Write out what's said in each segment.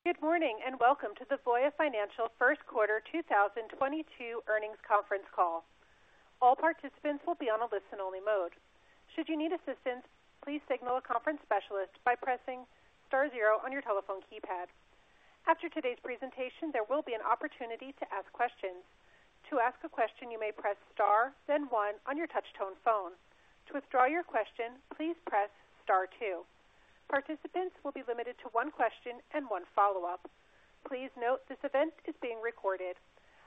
Good morning, and welcome to the Voya Financial first quarter 2022 earnings conference call. All participants will be on a listen only mode. Should you need assistance, please signal a conference specialist by pressing star zero on your telephone keypad. After today's presentation, there will be an opportunity to ask questions. To ask a question, you may press star then one on your touchtone phone. To withdraw your question, please press star two. Participants will be limited to one question and one follow-up. Please note this event is being recorded.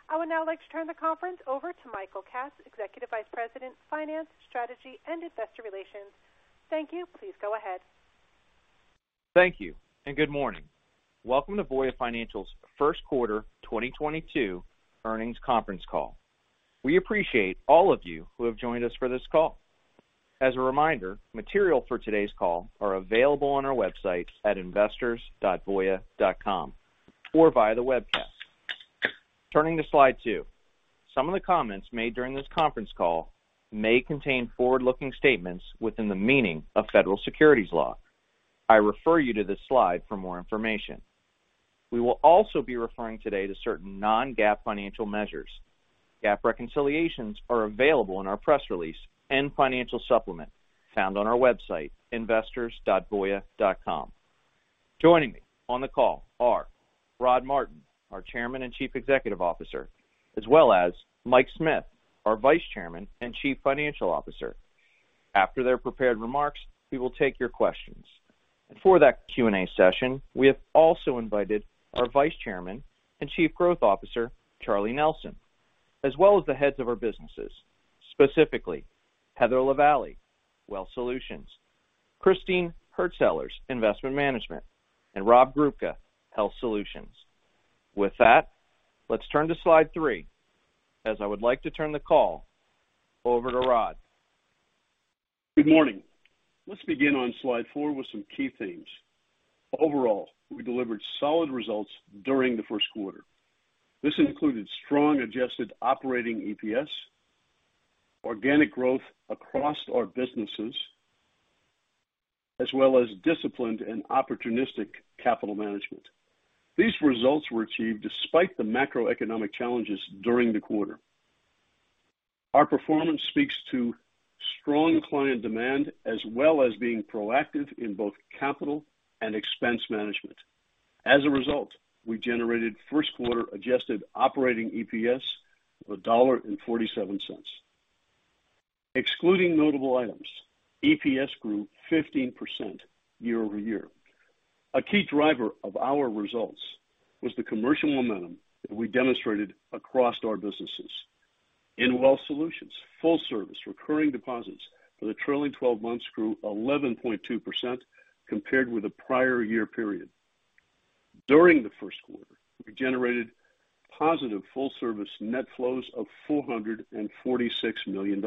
I would now like to turn the conference over to Michael Katz, Executive Vice President, Finance, Strategy, and Investor Relations. Thank you. Please go ahead. Thank you and good morning. Welcome to Voya Financial's first quarter 2022 earnings conference call. We appreciate all of you who have joined us for this call. As a reminder, material for today's call are available on our website at investors.voya.com or via the webcast. Turning to slide 2. Some of the comments made during this conference call may contain forward-looking statements within the meaning of federal securities laws. I refer you to this slide for more information. We will also be referring today to certain non-GAAP financial measures. GAAP reconciliations are available in our press release and financial supplement found on our website, investors.voya.com. Joining me on the call are Rod Martin, our Chairman and Chief Executive Officer, as well as Mike Smith, our Vice Chairman and Chief Financial Officer. After their prepared remarks, we will take your questions. For that Q&A session, we have also invited our Vice Chairman and Chief Growth Officer, Charles Nelson, as well as the heads of our businesses, specifically Heather Lavallee, Wealth Solutions, Christine Hurtsellers, Investment Management, and Rob Grubka, Health Solutions. With that, let's turn to slide 3, as I would like to turn the call over to Rod. Good morning. Let's begin on slide 4 with some key themes. Overall, we delivered solid results during the first quarter. This included strong adjusted operating EPS, organic growth across our businesses, as well as disciplined and opportunistic capital management. These results were achieved despite the macroeconomic challenges during the quarter. Our performance speaks to strong client demand as well as being proactive in both capital and expense management. As a result, we generated first quarter adjusted operating EPS of $1.47. Excluding notable items, EPS grew 15% year-over-year. A key driver of our results was the commercial momentum that we demonstrated across our businesses. In Wealth Solutions, full service recurring deposits for the trailing twelve months grew 11.2% compared with the prior year period. During the first quarter, we generated positive full service net flows of $446 million,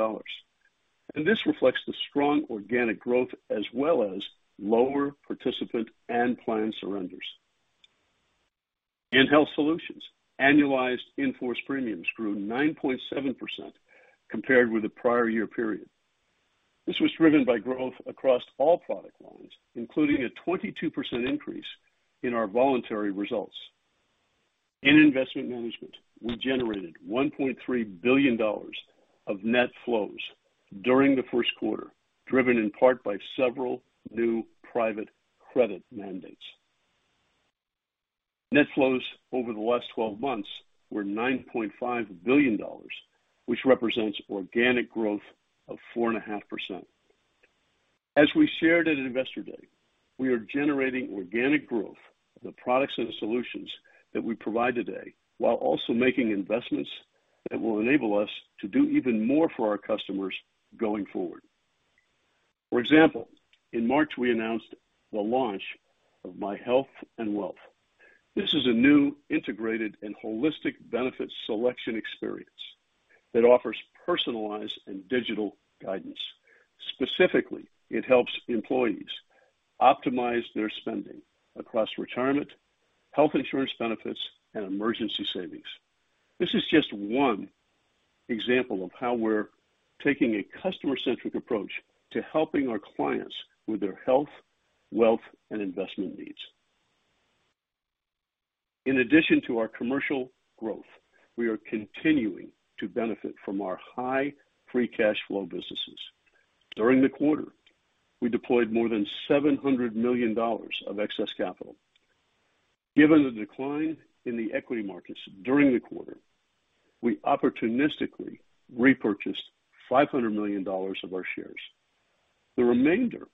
and this reflects the strong organic growth as well as lower participant and plan surrenders. In Health Solutions, annualized in-force premiums grew 9.7% compared with the prior year period. This was driven by growth across all product lines, including a 22% increase in our voluntary results. In Investment Management, we generated $1.3 billion of net flows during the first quarter, driven in part by several new private credit mandates. Net flows over the last 12 months were $9.5 billion, which represents organic growth of 4.5%. As we shared at Investor Day, we are generating organic growth of the products and solutions that we provide today while also making investments that will enable us to do even more for our customers going forward. For example, in March, we announced the launch of My Health & Wealth. This is a new integrated and holistic benefits selection experience that offers personalized and digital guidance. Specifically, it helps employees optimize their spending across retirement, health insurance benefits, and emergency savings. This is just one example of how we're taking a customer-centric approach to helping our clients with their health, wealth, and investment needs. In addition to our commercial growth, we are continuing to benefit from our high free cash flow businesses. During the quarter, we deployed more than $700 million of excess capital. Given the decline in the equity markets during the quarter, we opportunistically repurchased $500 million of our shares. The remainder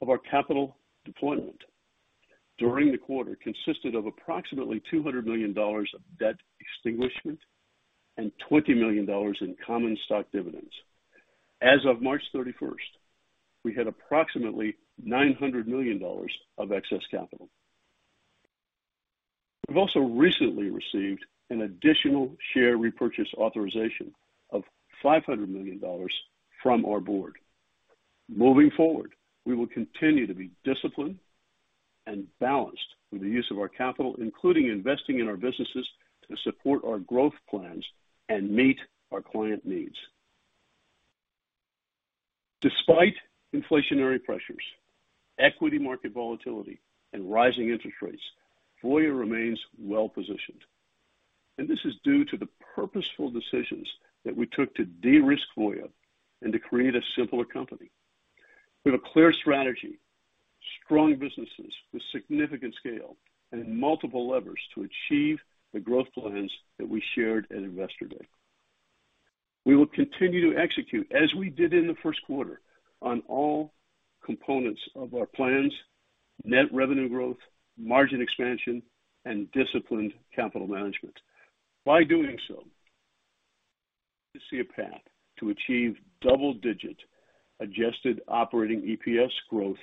of our capital deployment during the quarter consisted of approximately $200 million of debt extinguishment and $20 million in common stock dividends. As of March thirty-first, we had approximately $900 million of excess capital. We've also recently received an additional share repurchase authorization of $500 million from our board. Moving forward, we will continue to be disciplined and balanced with the use of our capital, including investing in our businesses to support our growth plans and meet our client needs. Despite inflationary pressures, equity market volatility and rising interest rates, Voya remains well positioned. This is due to the purposeful decisions that we took to de-risk Voya and to create a simpler company. We have a clear strategy, strong businesses with significant scale and multiple levers to achieve the growth plans that we shared at Investor Day. We will continue to execute as we did in the first quarter on all components of our plans, net revenue growth, margin expansion, and disciplined capital management. By doing so, we see a path to achieve double-digit adjusted operating EPS growth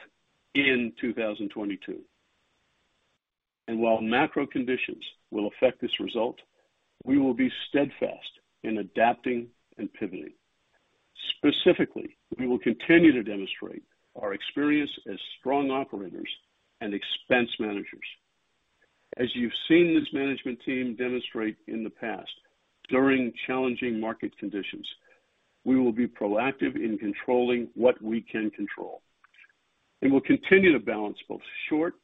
in 2022. While macro conditions will affect this result, we will be steadfast in adapting and pivoting. Specifically, we will continue to demonstrate our experience as strong operators and expense managers. As you've seen this management team demonstrate in the past, during challenging market conditions, we will be proactive in controlling what we can control, and we'll continue to balance both short-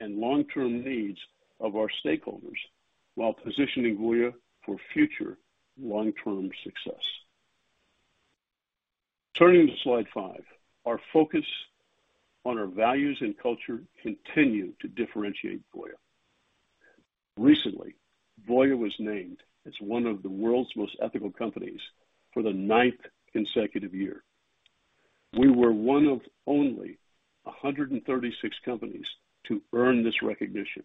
and long-term needs of our stakeholders while positioning Voya for future long-term success. Turning to slide 5. Our focus on our values and culture continue to differentiate Voya. Recently, Voya was named as one of the world's most ethical companies for the ninth consecutive year. We were one of only 136 companies to earn this recognition,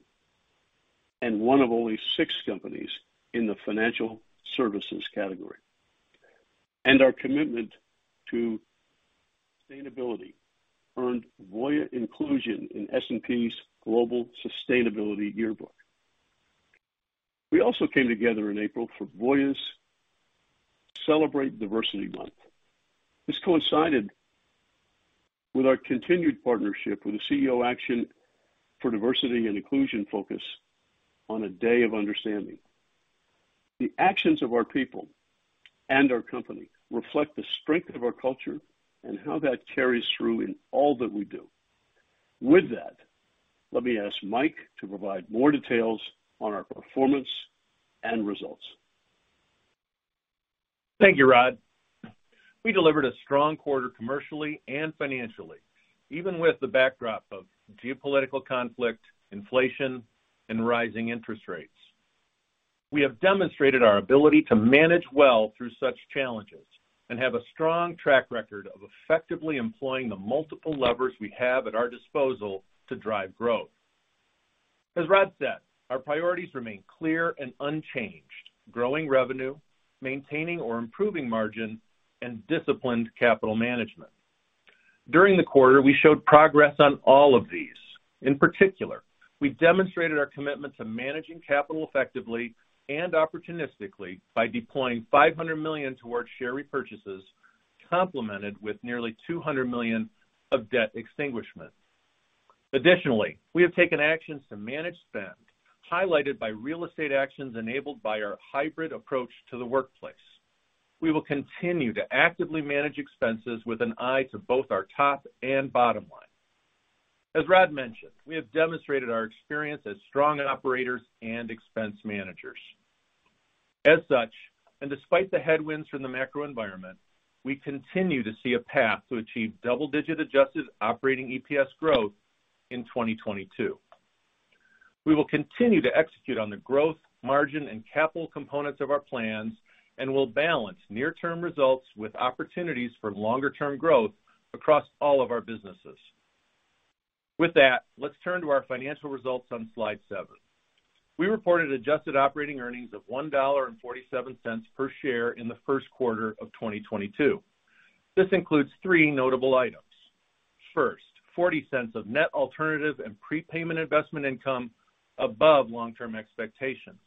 and one of only six companies in the financial services category. Our commitment to sustainability earned Voya inclusion in S&P Global Sustainability Yearbook. We also came together in April for Voya's Celebrate Diversity Month. This coincided with our continued partnership with the CEO Action for Diversity & Inclusion focus on a Day of Understanding. The actions of our people and our company reflect the strength of our culture and how that carries through in all that we do. With that, let me ask Mike to provide more details on our performance and results. Thank you, Rod. We delivered a strong quarter commercially and financially, even with the backdrop of geopolitical conflict, inflation, and rising interest rates. We have demonstrated our ability to manage well through such challenges and have a strong track record of effectively employing the multiple levers we have at our disposal to drive growth. As Rod said, our priorities remain clear and unchanged, growing revenue, maintaining or improving margin, and disciplined capital management. During the quarter, we showed progress on all of these. In particular, we demonstrated our commitment to managing capital effectively and opportunistically by deploying $500 million towards share repurchases, complemented with nearly $200 million of debt extinguishment. Additionally, we have taken actions to manage spend, highlighted by real estate actions enabled by our hybrid approach to the workplace. We will continue to actively manage expenses with an eye to both our top and bottom line. As Rod mentioned, we have demonstrated our experience as strong operators and expense managers. As such, and despite the headwinds from the macro environment, we continue to see a path to achieve double-digit adjusted operating EPS growth in 2022. We will continue to execute on the growth, margin, and capital components of our plans and will balance near-term results with opportunities for longer-term growth across all of our businesses. With that, let's turn to our financial results on slide 7. We reported adjusted operating earnings of $1.47 per share in the first quarter of 2022. This includes three notable items. First, $0.40 of net alternative and prepayment investment income above long-term expectations.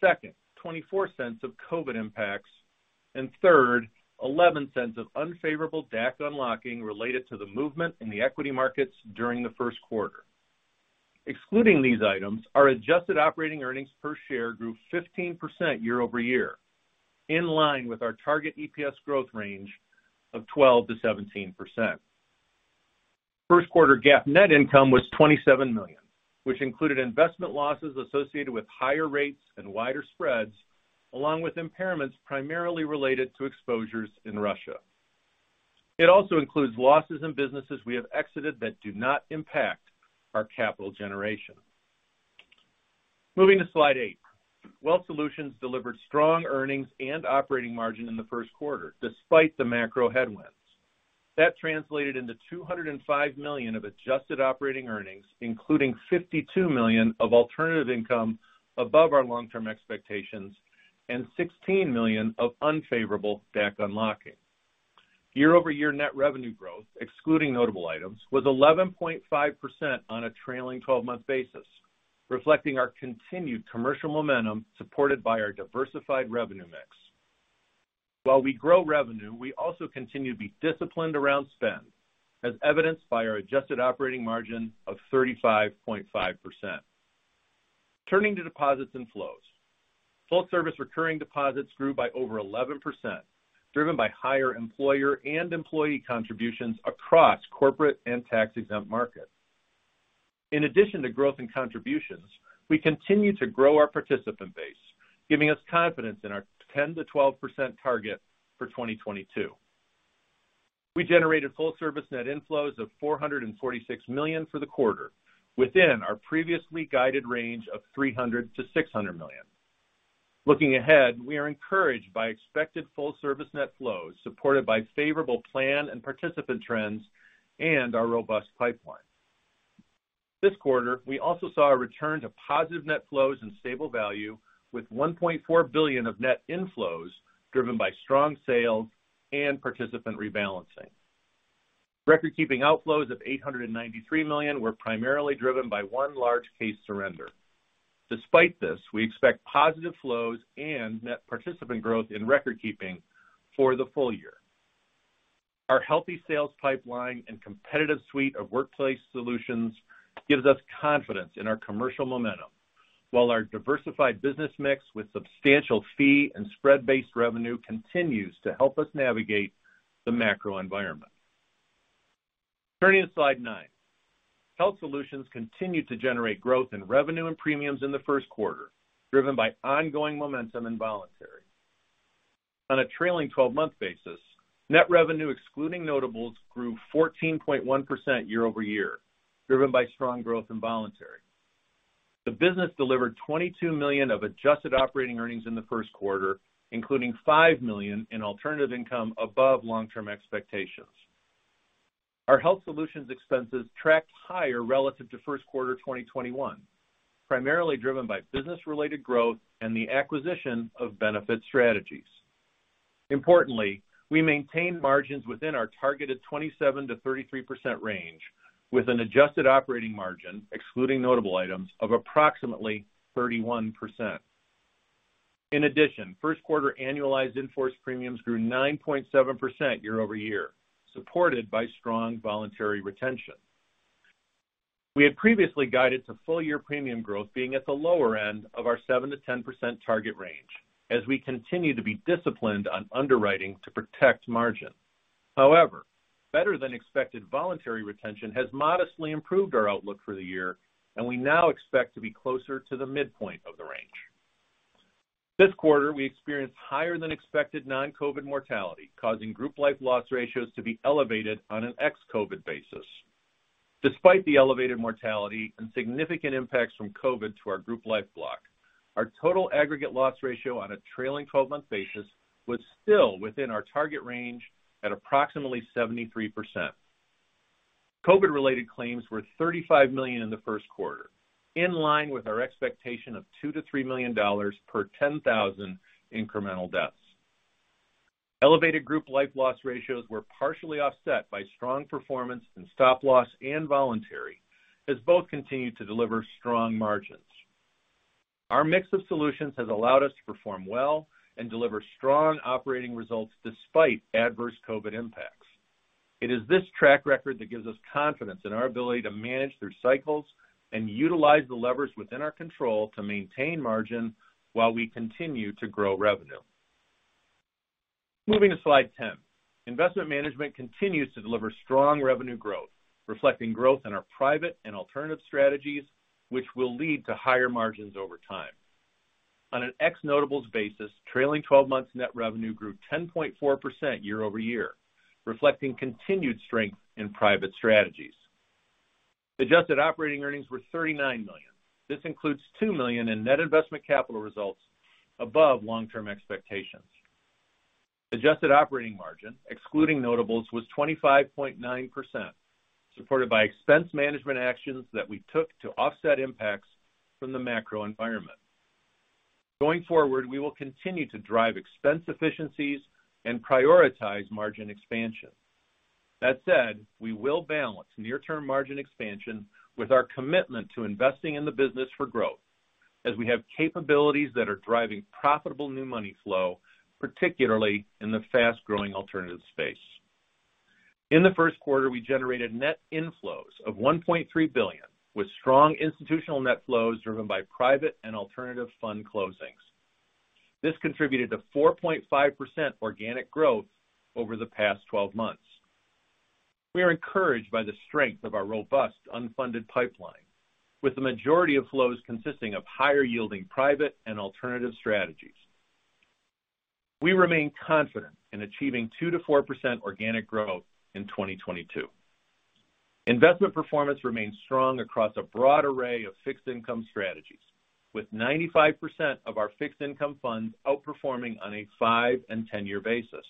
Second, $0.24 of COVID impacts. Third, $0.11 of unfavorable DAC unlocking related to the movement in the equity markets during the first quarter. Excluding these items, our adjusted operating earnings per share grew 15% year-over-year, in line with our target EPS growth range of 12%-17%. First quarter GAAP net income was $27 million, which included investment losses associated with higher rates and wider spreads, along with impairments primarily related to exposures in Russia. It also includes losses in businesses we have exited that do not impact our capital generation. Moving to slide 8. Wealth Solutions delivered strong earnings and operating margin in the first quarter, despite the macro headwinds. That translated into $205 million of adjusted operating earnings, including $52 million of alternative income above our long-term expectations and $16 million of unfavorable DAC unlocking. Year-over-year net revenue growth, excluding notable items, was 11.5% on a trailing-twelve-month basis, reflecting our continued commercial momentum supported by our diversified revenue mix. While we grow revenue, we also continue to be disciplined around spend, as evidenced by our adjusted operating margin of 35.5%. Turning to deposits and flows. Full service recurring deposits grew by over 11%, driven by higher employer and employee contributions across corporate and tax-exempt markets. In addition to growth and contributions, we continue to grow our participant base, giving us confidence in our 10%-12% target for 2022. We generated full service net inflows of $446 million for the quarter, within our previously guided range of $300 million-$600 million. Looking ahead, we are encouraged by expected full service net flows supported by favorable plan and participant trends and our robust pipeline. This quarter, we also saw a return to positive net flows and stable value with $1.4 billion of net inflows driven by strong sales and participant rebalancing. Recordkeeping outflows of $893 million were primarily driven by one large case surrender. Despite this, we expect positive flows and net participant growth in recordkeeping for the full year. Our healthy sales pipeline and competitive suite of workplace solutions gives us confidence in our commercial momentum, while our diversified business mix with substantial fee and spread-based revenue continues to help us navigate the macro environment. Turning to Slide 9. Health Solutions continued to generate growth in revenue and premiums in the first quarter, driven by ongoing momentum in voluntary. On a trailing 12-month basis, net revenue excluding notables grew 14.1% year-over-year, driven by strong growth in voluntary. The business delivered $22 million of adjusted operating earnings in the first quarter, including $5 million in alternative income above long-term expectations. Our Health Solutions expenses tracked higher relative to first quarter 2021, primarily driven by business-related growth and the acquisition of Benefit Strategies. Importantly, we maintained margins within our targeted 27%-33% range with an adjusted operating margin, excluding notable items, of approximately 31%. In addition, first quarter annualized in-force premiums grew 9.7% year-over-year, supported by strong voluntary retention. We had previously guided to full-year premium growth being at the lower end of our 7%-10% target range as we continue to be disciplined on underwriting to protect margin. However, better than expected voluntary retention has modestly improved our outlook for the year, and we now expect to be closer to the midpoint of the range. This quarter, we experienced higher than expected non-COVID mortality, causing group life loss ratios to be elevated on an ex-COVID basis. Despite the elevated mortality and significant impacts from COVID to our group life block, our total aggregate loss ratio on a trailing twelve-month basis was still within our target range at approximately 73%. COVID-related claims were $35 million in the first quarter, in line with our expectation of $2-$3 million per 10,000 incremental deaths. Elevated group life loss ratios were partially offset by strong performance in Stop Loss and voluntary, as both continued to deliver strong margins. Our mix of solutions has allowed us to perform well and deliver strong operating results despite adverse COVID impacts. It is this track record that gives us confidence in our ability to manage through cycles and utilize the levers within our control to maintain margin while we continue to grow revenue. Moving to slide 10. Investment Management continues to deliver strong revenue growth, reflecting growth in our private and alternative strategies, which will lead to higher margins over time. On an ex-notables basis, trailing twelve months net revenue grew 10.4% year-over-year, reflecting continued strength in private strategies. Adjusted operating earnings were $39 million. This includes $2 million in net investment capital results above long-term expectations. Adjusted operating margin, excluding notables, was 25.9%, supported by expense management actions that we took to offset impacts from the macro environment. Going forward, we will continue to drive expense efficiencies and prioritize margin expansion. That said, we will balance near-term margin expansion with our commitment to investing in the business for growth as we have capabilities that are driving profitable new money flow, particularly in the fast-growing alternative space. In the first quarter, we generated net inflows of $1.3 billion, with strong institutional net flows driven by private and alternative fund closings. This contributed to 4.5% organic growth over the past twelve months. We are encouraged by the strength of our robust unfunded pipeline, with the majority of flows consisting of higher-yielding private and alternative strategies. We remain confident in achieving 2%-4% organic growth in 2022. Investment performance remains strong across a broad array of fixed income strategies, with 95% of our fixed income funds outperforming on a 5- and 10-year basis.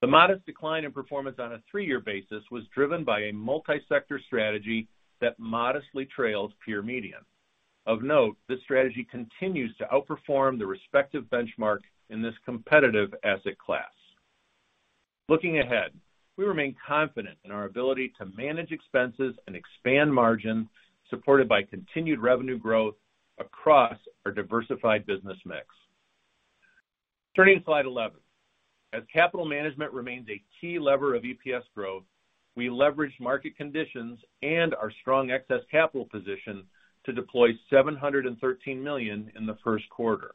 The modest decline in performance on a three-year basis was driven by a multi-sector strategy that modestly trails peer median. Of note, this strategy continues to outperform the respective benchmark in this competitive asset class. Looking ahead, we remain confident in our ability to manage expenses and expand margin, supported by continued revenue growth across our diversified business mix. Turning to slide 11. As capital management remains a key lever of EPS growth, we leverage market conditions and our strong excess capital position to deploy $713 million in the first quarter.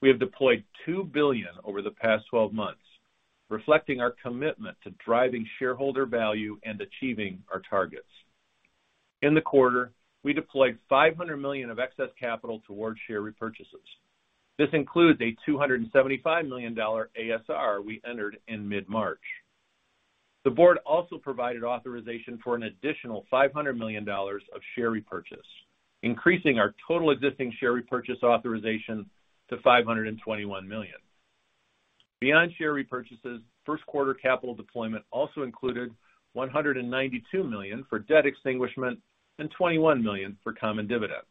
We have deployed $2 billion over the past twelve months, reflecting our commitment to driving shareholder value and achieving our targets. In the quarter, we deployed $500 million of excess capital towards share repurchases. This includes a $275 million ASR we entered in mid-March. The board also provided authorization for an additional $500 million of share repurchase, increasing our total existing share repurchase authorization to $521 million. Beyond share repurchases, first quarter capital deployment also included $192 million for debt extinguishment and $21 million for common dividends.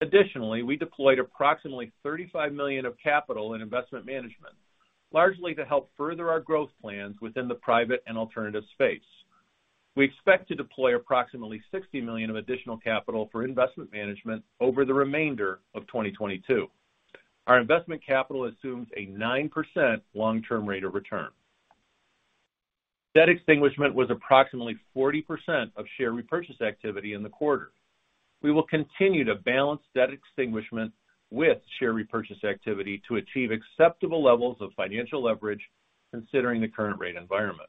Additionally, we deployed approximately $35 million of capital in investment management, largely to help further our growth plans within the private and alternative space. We expect to deploy approximately $60 million of additional capital for investment management over the remainder of 2022. Our investment capital assumes a 9% long-term rate of return. Debt extinguishment was approximately 40% of share repurchase activity in the quarter. We will continue to balance debt extinguishment with share repurchase activity to achieve acceptable levels of financial leverage considering the current rate environment.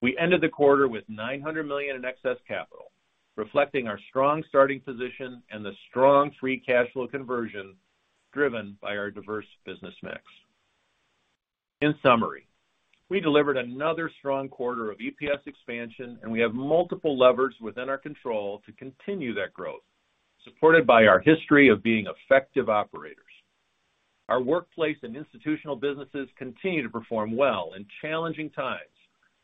We ended the quarter with $900 million in excess capital, reflecting our strong starting position and the strong free cash flow conversion driven by our diverse business mix. In summary, we delivered another strong quarter of EPS expansion, and we have multiple levers within our control to continue that growth, supported by our history of being effective operators. Our workplace and institutional businesses continue to perform well in challenging times,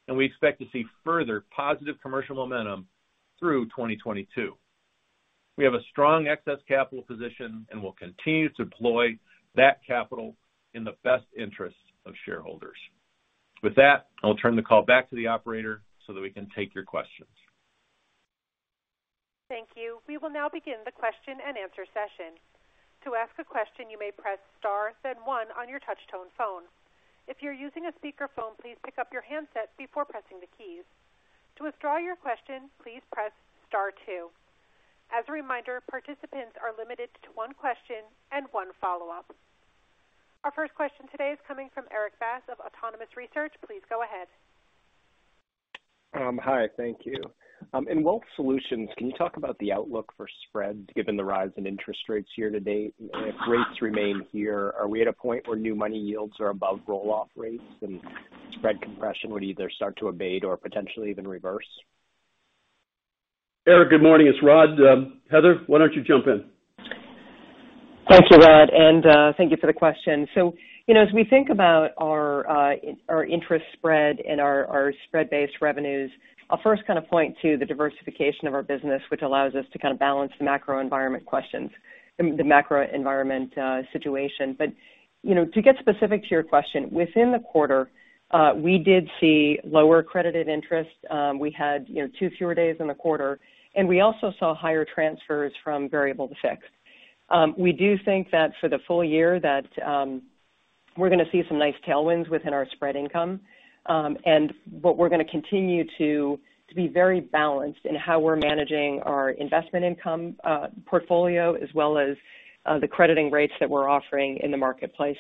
and we expect to see further positive commercial momentum through 2022. We have a strong excess capital position, and we'll continue to deploy that capital in the best interest of shareholders. With that, I'll turn the call back to the operator so that we can take your questions. Thank you. We will now begin the question-and-answer session. To ask a question, you may press star then one on your touch tone phone. If you're using a speakerphone, please pick up your handset before pressing the keys. To withdraw your question, please press star two. As a reminder, participants are limited to one question and one follow-up. Our first question today is coming from Erik Bass of Autonomous Research. Please go ahead. Hi, thank you. In Wealth Solutions, can you talk about the outlook for spread given the rise in interest rates year to date? If rates remain here, are we at a point where new money yields are above roll-off rates and spread compression would either start to abate or potentially even reverse? Erik, good morning. It's Rod. Heather, why don't you jump in? Thank you, Rod, and thank you for the question. You know, as we think about our interest spread and our spread-based revenues, I'll first kind of point to the diversification of our business, which allows us to kind of balance the macro environment, the macro environment situation. You know, to get specific to your question, within the quarter, we did see lower credited interest. We had, you know, two fewer days in the quarter. We also saw higher transfers from variable to fixed. We do think that for the full year that we're gonna see some nice tailwinds within our spread income. We're gonna continue to be very balanced in how we're managing our investment income portfolio as well as the crediting rates that we're offering in the marketplace.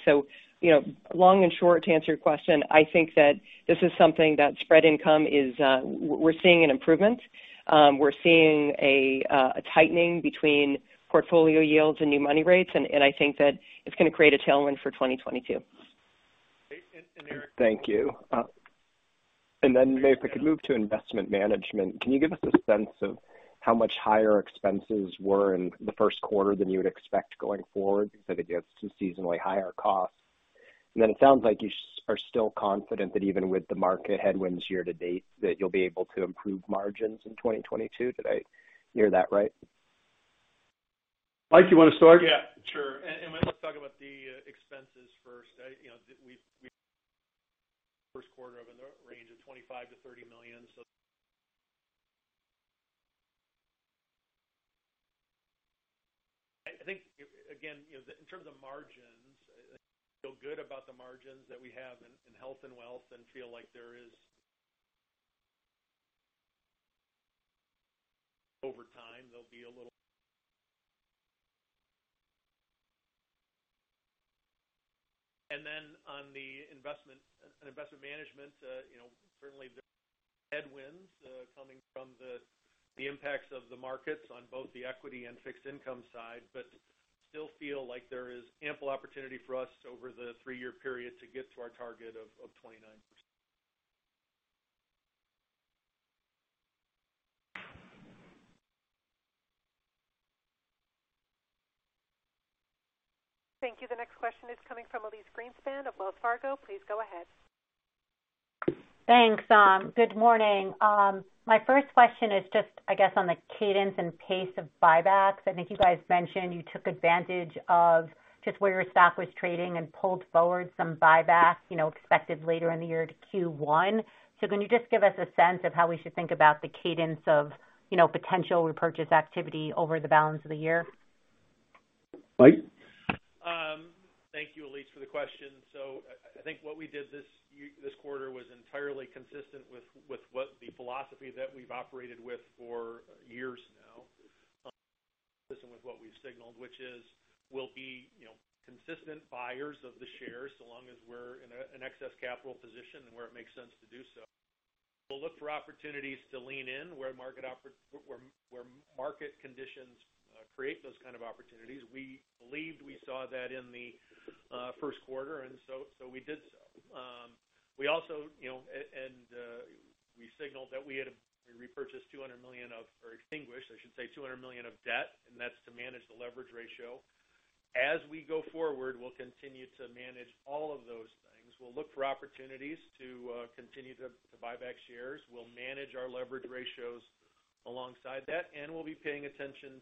You know, long and short to answer your question, I think that this is something that spread income is, we're seeing an improvement. We're seeing a tightening between portfolio yields and new money rates, and I think that it's gonna create a tailwind for 2022. Erik Bass, thank you. Maybe if I could move to Investment Management, can you give us a sense of how much higher expenses were in the first quarter than you would expect going forward because I guess it's a seasonally higher cost. It sounds like you are still confident that even with the market headwinds year to date that you'll be able to improve margins in 2022. Did I hear that right? Mike, you want to start? Yeah, sure. Let's talk about the expenses first. We've in the first quarter a range of $25-$30 million. I think again in terms of margins, I feel good about the margins that we have in Health and Wealth and feel like there is over time they'll be a little. Then on the Investment Management, certainly there are headwinds coming from the impacts of the markets on both the equity and fixed income side, but still feel like there is ample opportunity for us over the three-year period to get to our target of 29%. Thank you. The next question is coming from Elyse Greenspan of Wells Fargo. Please go ahead. Thanks. Good morning. My first question is just I guess on the cadence and pace of buybacks. I think you guys mentioned you took advantage of just where your stock was trading and pulled forward some buyback, you know, expected later in the year to Q1. Can you just give us a sense of how we should think about the cadence of, you know, potential repurchase activity over the balance of the year? Mike? Thanks for the question. I think what we did this quarter was entirely consistent with the philosophy that we've operated with for years now, consistent with what we've signaled, which is we'll be, you know, consistent buyers of the shares so long as we're in an excess capital position and where it makes sense to do so. We'll look for opportunities to lean in where market conditions create those kind of opportunities. We believed we saw that in the first quarter, and so we did so. We also, you know, we signaled that we repurchased $200 million of, or extinguished, I should say, $200 million of debt, and that's to manage the leverage ratio. As we go forward, we'll continue to manage all of those things. We'll look for opportunities to continue to buy back shares. We'll manage our leverage ratios alongside that, and we'll be paying attention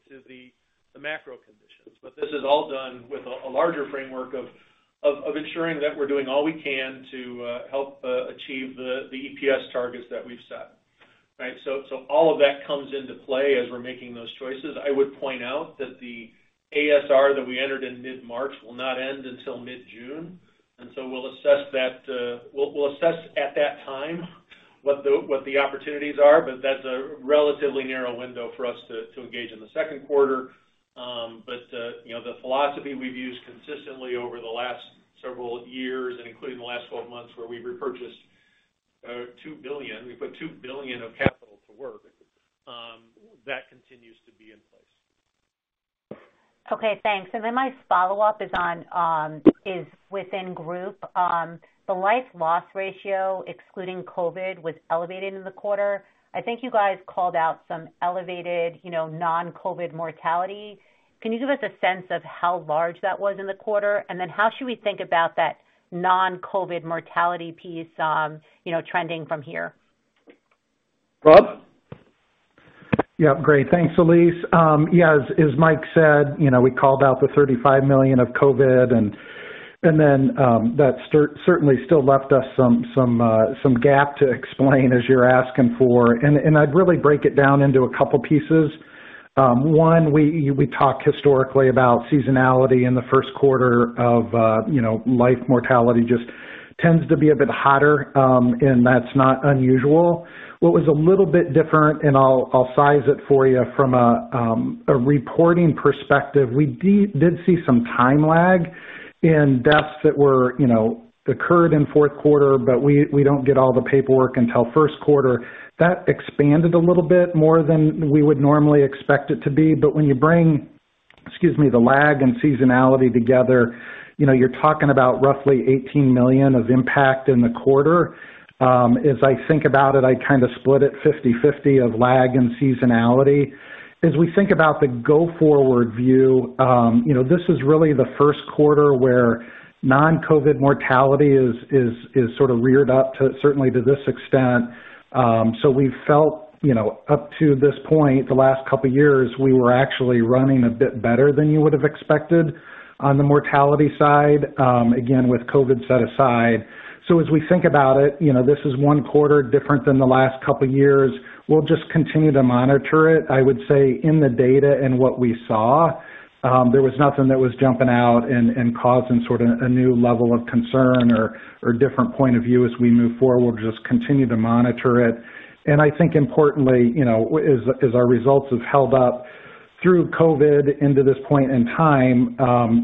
to the macro conditions. This is all done with a larger framework of ensuring that we're doing all we can to help achieve the EPS targets that we've set, right? So all of that comes into play as we're making those choices. I would point out that the ASR that we entered in mid-March will not end until mid-June. We'll assess that, we'll assess at that time what the opportunities are, but that's a relatively narrow window for us to engage in the second quarter. You know, the philosophy we've used consistently over the last several years, and including the last 12 months where we've repurchased $2 billion, we put $2 billion of capital to work, that continues to be in place. Okay, thanks. My follow-up is within group. The life loss ratio, excluding COVID, was elevated in the quarter. I think you guys called out some elevated, you know, non-COVID mortality. Can you give us a sense of how large that was in the quarter? How should we think about that non-COVID mortality piece, you know, trending from here? Rob? Yeah. Great. Thanks, Elyse. Yeah, as Mike said, you know, we called out the $35 million of COVID and then that certainly still left us some gap to explain as you're asking for. I'd really break it down into a couple pieces. One, we talk historically about seasonality in the first quarter of you know life mortality just tends to be a bit hotter and that's not unusual. What was a little bit different, and I'll size it for you from a reporting perspective, we did see some time lag in deaths that you know occurred in fourth quarter, but we don't get all the paperwork until first quarter. That expanded a little bit more than we would normally expect it to be. When you bring, excuse me, the lag and seasonality together, you know, you're talking about roughly $18 million of impact in the quarter. As I think about it, I kind of split it 50-50 of lag and seasonality. As we think about the go-forward view, you know, this is really the first quarter where non-COVID mortality is sort of reared up to certainly this extent. We felt, you know, up to this point, the last couple years, we were actually running a bit better than you would have expected on the mortality side, again, with COVID set aside. As we think about it, you know, this is one quarter different than the last couple years. We'll just continue to monitor it. I would say in the data and what we saw, there was nothing that was jumping out and causing sort of a new level of concern or different point of view as we move forward. We'll just continue to monitor it. I think importantly, you know, as our results have held up through COVID into this point in time,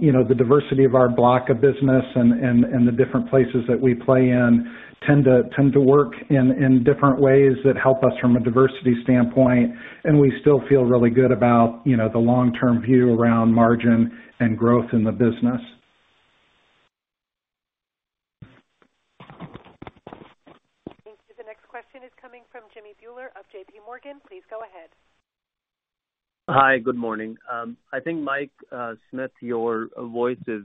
you know, the diversity of our block of business and the different places that we play in tend to work in different ways that help us from a diversity standpoint. We still feel really good about, you know, the long-term view around margin and growth in the business. Thanks. The next question is coming from Jimmy Bhullar of J.P. Morgan. Please go ahead. Hi. Good morning. I think Mike Smith, your voice is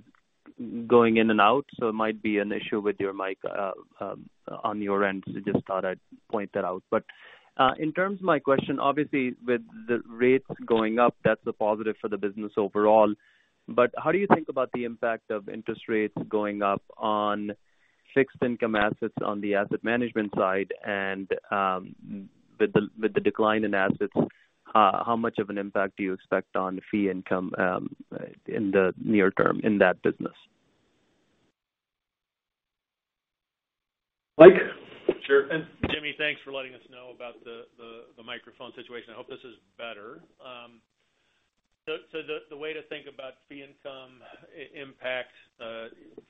going in and out, so it might be an issue with your mic on your end. So just thought I'd point that out. In terms of my question, obviously, with the rates going up, that's a positive for the business overall. How do you think about the impact of interest rates going up on fixed income assets on the asset management side? With the decline in assets, how much of an impact do you expect on fee income in the near term in that business? Mike? Sure. Jimmy, thanks for letting us know about the microphone situation. I hope this is better. So the way to think about fee income impact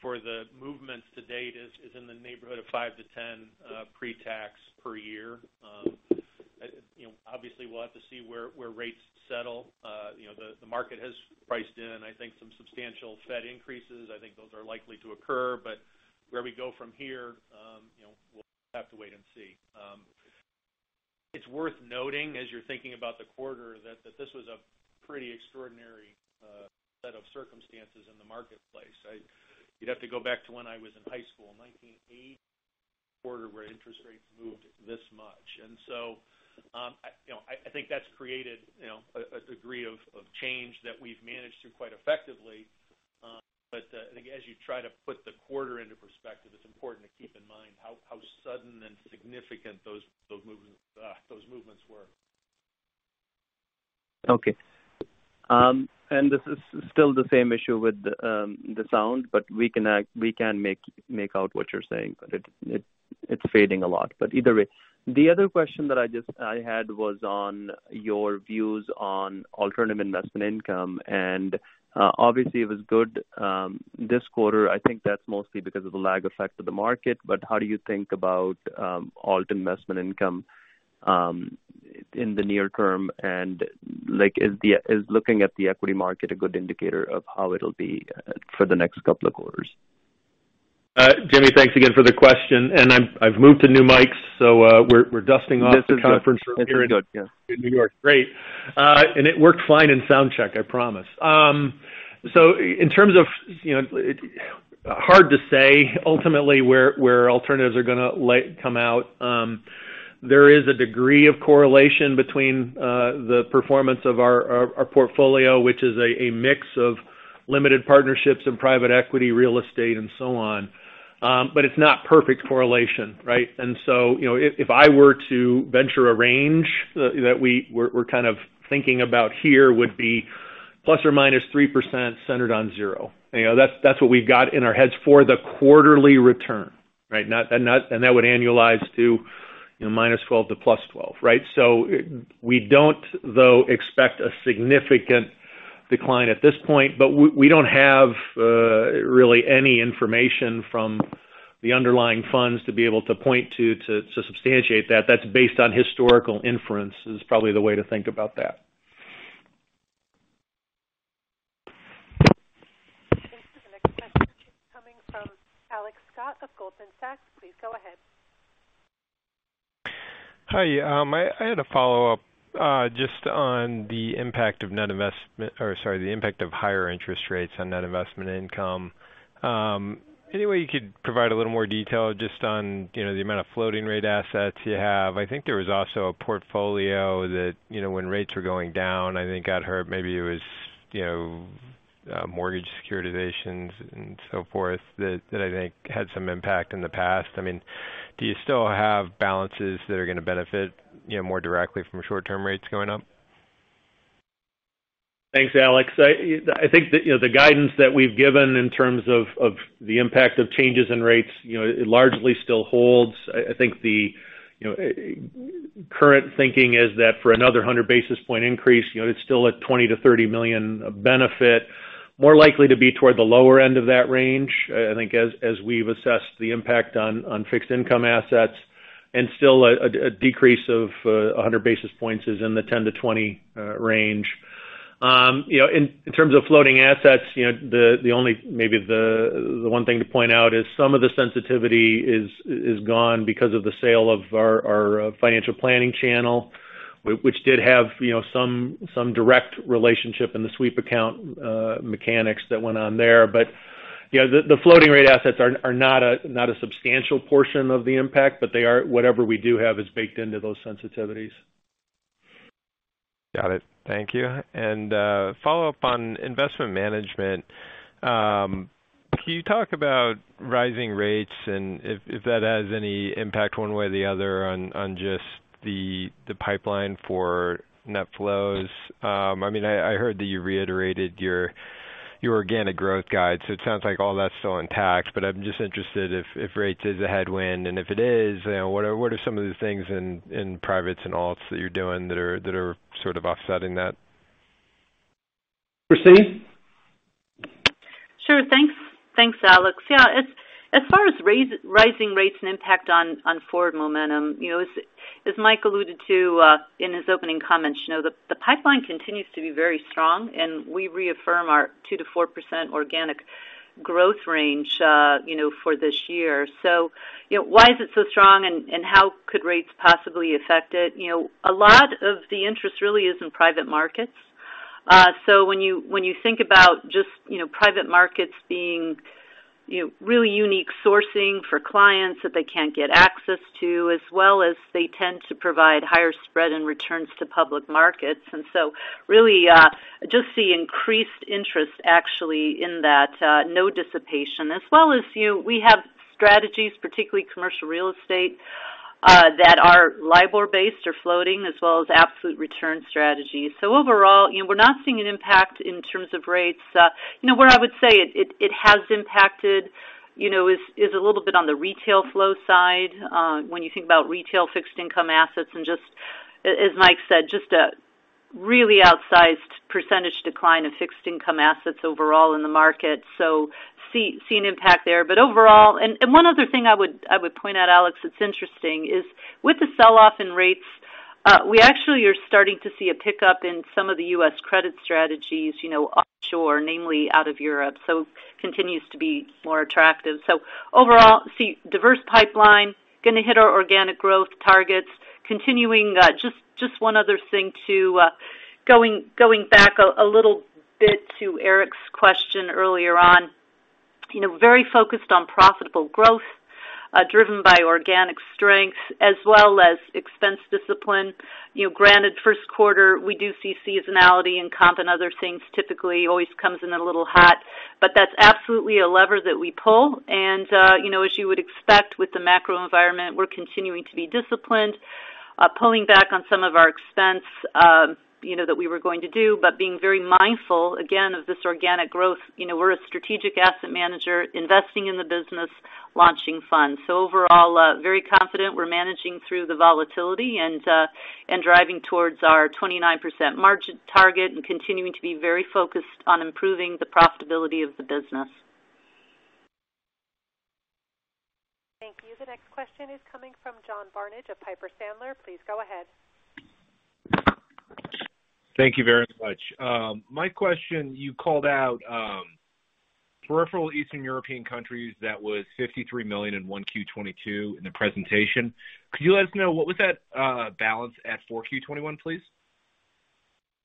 for the movements to date is in the neighborhood of $5-$10 pre-tax per year. You know, obviously we'll have to see where rates settle. You know, the market has priced in, I think, some substantial Fed increases. I think those are likely to occur. Where we go from here, you know, we'll have to wait and see. It's worth noting as you're thinking about the quarter that this was a pretty extraordinary set of circumstances in the marketplace. You'd have to go back to when I was in high school, 1980, a quarter where interest rates moved this much. You know, I think that's created, you know, a degree of change that we've managed through quite effectively. I think as you try to put the quarter into perspective, it's important to keep in mind how sudden and significant those movements were. Okay. This is still the same issue with the sound, but we can make out what you're saying. It's fading a lot. Either way, the other question that I had was on your views on alternative investment income. Obviously, it was good this quarter. I think that's mostly because of the lag effects of the market. How do you think about alt investment income in the near term? Like, is looking at the equity market a good indicator of how it'll be for the next couple of quarters? Jimmy, thanks again for the question. I've moved to new mics, so we're dusting off the conference room here in- This is good. This is good, yeah. in New York. Great. It worked fine in soundcheck, I promise. In terms of, you know, it's hard to say ultimately where alternatives are gonna come out. There is a degree of correlation between the performance of our portfolio, which is a mix of limited partnerships and private equity, real estate, and so on. But it's not perfect correlation, right? You know, if I were to venture a range that we're kind of thinking about here would be ±3% centered on zero. You know, that's what we've got in our heads for the quarterly return, right? That would annualize to, you know, -12% to +12%, right? We don't though expect a significant decline at this point, but we don't have really any information from the underlying funds to be able to point to substantiate that. That's based on historical inference, is probably the way to think about that. Thanks. The next question coming from Alex Scott of Goldman Sachs. Please go ahead. Hi. I had a follow-up just on the impact of higher interest rates on net investment income. Any way you could provide a little more detail just on, you know, the amount of floating rate assets you have? I think there was also a portfolio that, you know, when rates were going down, I think got hurt. Maybe it was, you know, mortgage securitizations and so forth that I think had some impact in the past. I mean, do you still have balances that are gonna benefit, you know, more directly from short-term rates going up? Thanks, Alex. I think the guidance that we've given in terms of the impact of changes in rates, you know, it largely still holds. I think the current thinking is that for another 100 basis points increase, you know, it's still at $20-$30 million benefit, more likely to be toward the lower end of that range. I think as we've assessed the impact on fixed income assets, and still a decrease of 100 basis points is in the $10-$20 million range. In terms of floating assets, you know, the only maybe the one thing to point out is some of the sensitivity is gone because of the sale of our financial planning channel, which did have, you know, some direct relationship in the sweep account mechanics that went on there. You know, the floating rate assets are not a substantial portion of the impact, but they are. Whatever we do have is baked into those sensitivities. Got it. Thank you. Follow-up on Investment Management. Can you talk about rising rates and if that has any impact one way or the other on just the pipeline for net flows? I mean, I heard that you reiterated your organic growth guide, so it sounds like all that's still intact, but I'm just interested if rates is a headwind, and if it is, you know, what are some of the things in privates and alts that you're doing that are sort of offsetting that? Christine? Sure. Thanks. Thanks, Alex. Yeah. As far as rising rates and impact on forward momentum, you know, as Mike alluded to, in his opening comments, you know, the pipeline continues to be very strong, and we reaffirm our 2%-4% organic growth range, you know, for this year. Why is it so strong and how could rates possibly affect it? You know, a lot of the interest really is in private markets. So when you think about just, you know, private markets being, you know, really unique sourcing for clients that they can't get access to, as well as they tend to provide higher spread and returns than public markets. Really, just the increased interest actually in that, no dissipation. As well as, you know, we have strategies, particularly commercial real estate, that are LIBOR-based or floating, as well as absolute return strategies. Overall, you know, we're not seeing an impact in terms of rates. You know, where I would say it has impacted, you know, is a little bit on the retail flow side, when you think about retail fixed income assets and just as Mike said, just a really outsized percentage decline of fixed income assets overall in the market. Seeing impact there. Overall, one other thing I would point out, Alex, that's interesting is with the sell-off in rates, we actually are starting to see a pickup in some of the U.S. credit strategies, you know, offshore, namely out of Europe. Continues to be more attractive. Overall, we have a diverse pipeline gonna hit our organic growth targets. Continuing, just one other thing too. Going back a little bit to Eric's question earlier on. You know, very focused on profitable growth, driven by organic strength as well as expense discipline. You know, granted first quarter, we do see seasonality in comp and other things typically always comes in a little hot. That's absolutely a lever that we pull. You know, as you would expect with the macro environment, we're continuing to be disciplined, pulling back on some of our expense, you know, that we were going to do, but being very mindful, again, of this organic growth. You know, we're a strategic asset manager investing in the business, launching funds. Overall, very confident we're managing through the volatility and driving towards our 29% margin target and continuing to be very focused on improving the profitability of the business. Thank you. The next question is coming from John Barnidge of Piper Sandler. Please go ahead. Thank you very much. My question, you called out peripheral Eastern European countries that was $53 million in 1Q22 in the presentation. Could you let us know what was that balance at 4Q21, please?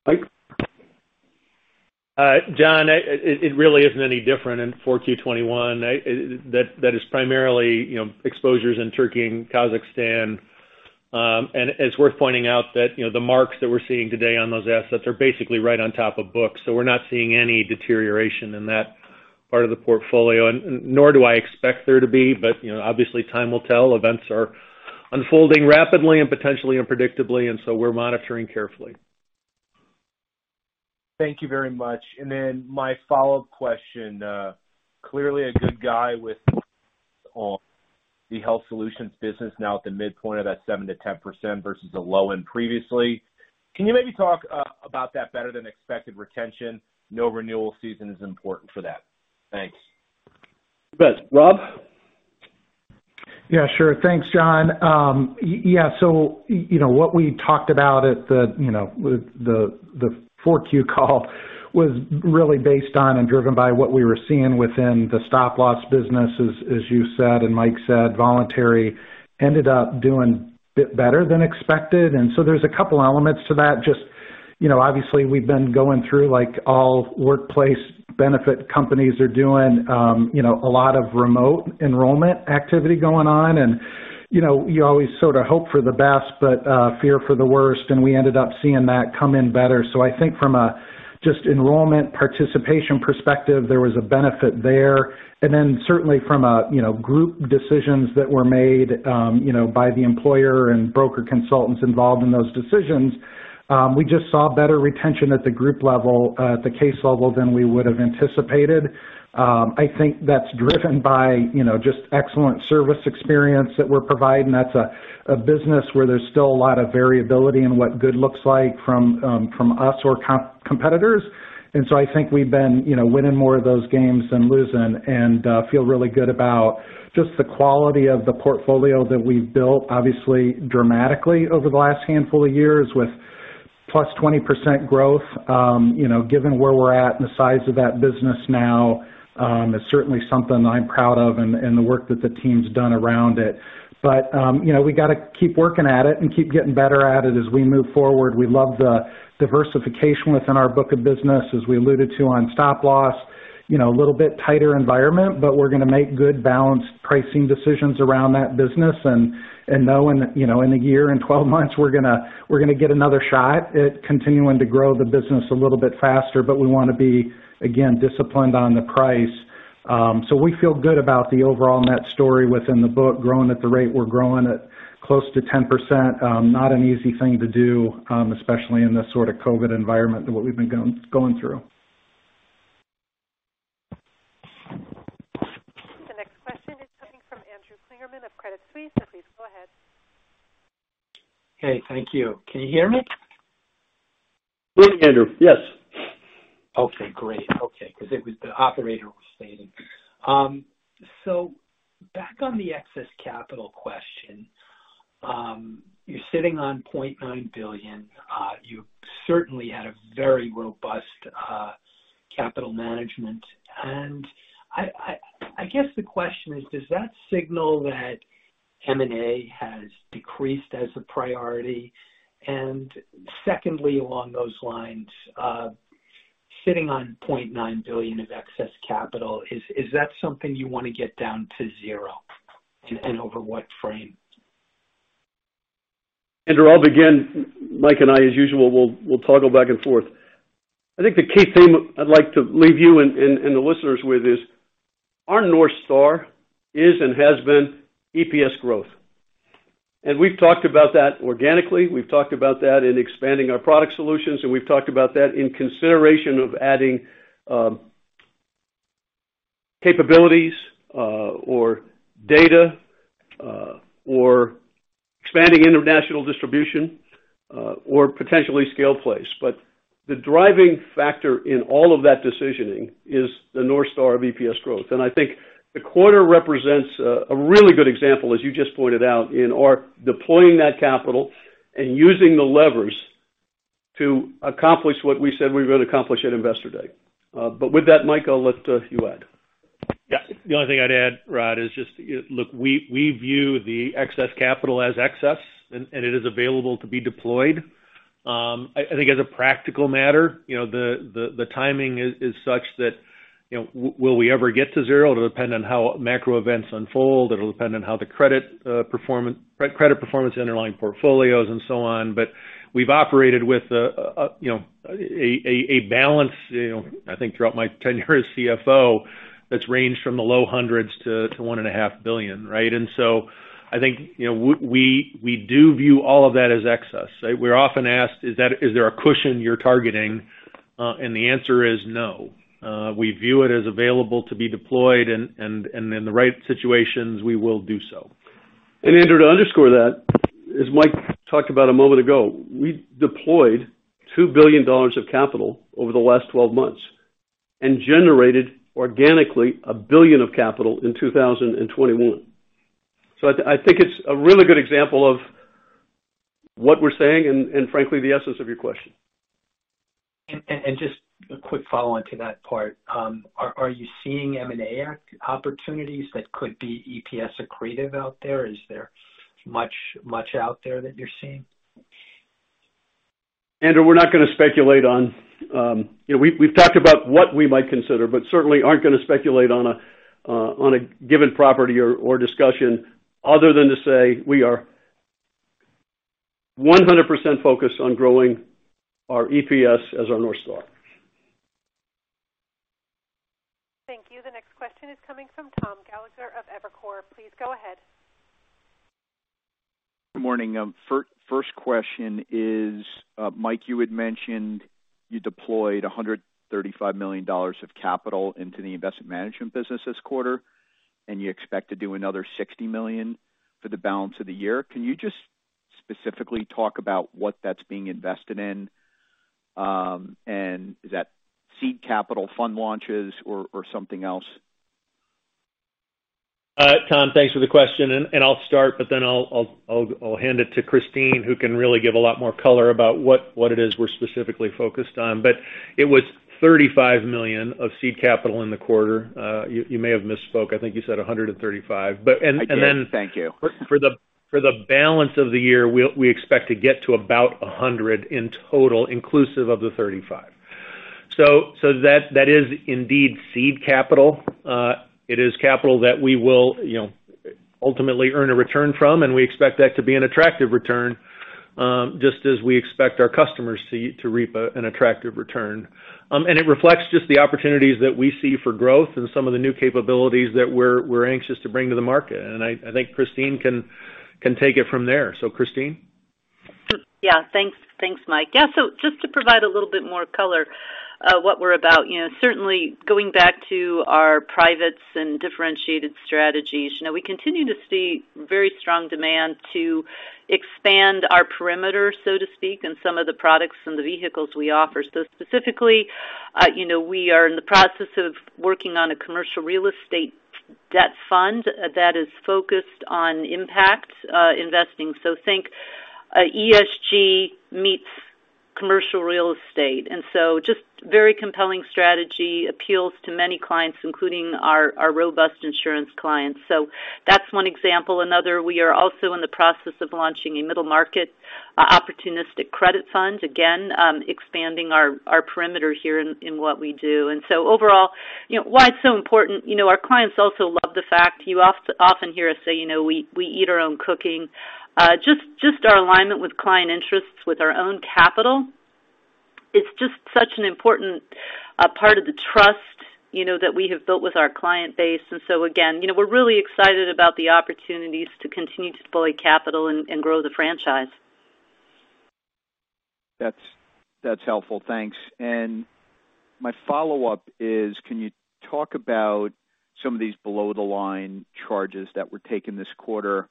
Mike? John, it really isn't any different in 4Q21. That is primarily, you know, exposures in Turkey and Kazakhstan. It's worth pointing out that, you know, the marks that we're seeing today on those assets are basically right on top of books. We're not seeing any deterioration in that part of the portfolio, and nor do I expect there to be. You know, obviously time will tell. Events are unfolding rapidly and potentially unpredictably, and we're monitoring carefully. Thank you very much. My follow-up question, clearly a good quarter with the Health Solutions business now at the midpoint of that 7%-10% versus the low end previously. Can you maybe talk about that better than expected retention? Now, renewal season is important for that. Thanks. You bet. Rob? Yeah, sure. Thanks, John. Yeah. You know, what we talked about at the 4Q call was really based on and driven by what we were seeing within the stop-loss business, as you said and Mike said. Voluntary ended up doing a bit better than expected. There's a couple elements to that. You know, obviously we've been going through, like all workplace benefit companies are doing, a lot of remote enrollment activity going on. You know, you always sort of hope for the best, but fear for the worst. We ended up seeing that come in better. I think from a just enrollment participation perspective, there was a benefit there. Certainly from a, you know, group decisions that were made, by the employer and broker consultants involved in those decisions, we just saw better retention at the group level, at the case level than we would have anticipated. I think that's driven by, you know, just excellent service experience that we're providing. That's a business where there's still a lot of variability in what good looks like from us or competitors. I think we've been, you know, winning more of those games than losing, and feel really good about just the quality of the portfolio that we've built, obviously dramatically over the last handful of years with +20% growth. You know, given where we're at and the size of that business now, it's certainly something I'm proud of and the work that the team's done around it. You know, we got to keep working at it and keep getting better at it as we move forward. We love the diversification within our book of business, as we alluded to on Stop Loss. You know, a little bit tighter environment, but we're gonna make good balanced pricing decisions around that business. You know, in a year, in 12 months, we're gonna get another shot at continuing to grow the business a little bit faster. We want to be, again, disciplined on the price. We feel good about the overall net story within the book growing at the rate we're growing at close to 10%. Not an easy thing to do, especially in this sort of COVID environment than what we've been going through. The next question is coming from Andrew Kligerman of Credit Suisse. Please go ahead. Hey. Thank you. Can you hear me? Good, Andrew. Yes. Okay, great. Okay, 'cause it was the operator was stating. So back on the excess capital question, you're sitting on $0.9 billion. You certainly had a very robust capital management. I guess the question is, does that signal that M&A has decreased as a priority? Secondly, along those lines, sitting on $0.9 billion of excess capital, is that something you wanna get down to zero and over what frame? Andrew, I'll begin. Mike and I, as usual, we'll toggle back and forth. I think the key theme I'd like to leave you and the listeners with is our North Star is and has been EPS growth. We've talked about that organically. We've talked about that in expanding our product solutions, and we've talked about that in consideration of adding capabilities or data or expanding international distribution or potentially scale plays. The driving factor in all of that decisioning is the North Star of EPS growth. I think the quarter represents a really good example, as you just pointed out, in our deploying that capital and using the levers to accomplish what we said we would accomplish at Investor Day. With that, Mike, I'll let you add. Yeah. The only thing I'd add, Rod, is just, look, we view the excess capital as excess, and it is available to be deployed. I think as a practical matter, you know, the timing is such that, you know, will we ever get to zero? It'll depend on how macro events unfold, it'll depend on how the credit credit performance, underlying portfolios and so on. We've operated with a balance, you know, I think throughout my tenure as CFO. That's ranged from the low hundreds to $1.5 billion, right? I think, you know, we do view all of that as excess. We're often asked, "Is there a cushion you're targeting?" and the answer is no. We view it as available to be deployed, and in the right situations, we will do so. Andrew, to underscore that, as Mike talked about a moment ago, we deployed $2 billion of capital over the last 12 months and generated organically $1 billion of capital in 2021. I think it's a really good example of what we're saying and frankly, the essence of your question. Just a quick follow-on to that part. Are you seeing M&A opportunities that could be EPS accretive out there? Is there much out there that you're seeing? Andrew, we're not gonna speculate on. You know, we've talked about what we might consider, but certainly aren't gonna speculate on a given property or discussion other than to say we are 100% focused on growing our EPS as our North Star. Thank you. The next question is coming from Tom Gallagher of Evercore. Please go ahead. Good morning. First question is, Mike, you had mentioned you deployed $135 million of capital into the investment management business this quarter, and you expect to do another $60 million for the balance of the year. Can you just specifically talk about what that's being invested in, and is that seed capital fund launches or something else? Tom, thanks for the question, and I'll start, but then I'll hand it to Christine, who can really give a lot more color about what it is we're specifically focused on. It was $35 million of seed capital in the quarter. You may have misspoke. I think you said $135. I did. Thank you. For the balance of the year, we expect to get to about 100 in total, inclusive of the 35. That is indeed seed capital. It is capital that we will, you know, ultimately earn a return from, and we expect that to be an attractive return, just as we expect our customers to reap an attractive return. It reflects just the opportunities that we see for growth and some of the new capabilities that we're anxious to bring to the market. I think Christine can take it from there. Christine? Yeah. Thanks. Thanks, Mike. Yeah. Just to provide a little bit more color, what we're about, you know, certainly going back to our privates and differentiated strategies. You know, we continue to see very strong demand to expand our perimeter, so to speak, in some of the products and the vehicles we offer. Specifically, you know, we are in the process of working on a commercial real estate debt fund that is focused on impact investing. Think, ESG meets commercial real estate. Just very compelling strategy, appeals to many clients, including our robust insurance clients. That's one example. Another, we are also in the process of launching a middle market opportunistic credit fund, again, expanding our perimeter here in what we do. Overall, you know, why it's so important, you know, our clients also love the fact you often hear us say, you know, we eat our own cooking. Just our alignment with client interests with our own capital, it's just such an important part of the trust, you know, that we have built with our client base. Again, you know, we're really excited about the opportunities to continue to deploy capital and grow the franchise. That's helpful. Thanks. My follow-up is, can you talk about some of these below-the-line charges that were taken this quarter?